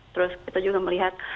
terus kita juga melihat